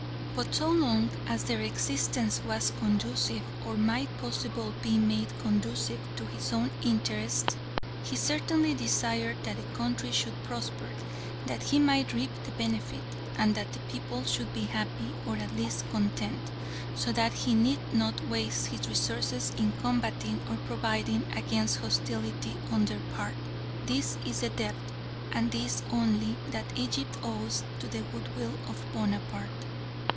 But so long as their existence was conducive, or might possibly be made conducive, to his own interests he certainly desired that the country should prosper, that he might reap the benefit, and that the people should be happy, or at least content, so that he need not waste his resources in combating or providing against hostility on their part. This is the debt, and this only, that Egypt owes to the goodwill of Bonaparte.